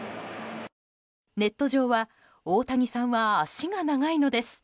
ネット上は大谷さんは脚が長いのです。